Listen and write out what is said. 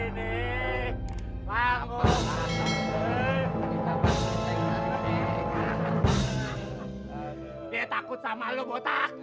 dia takut sama lo botak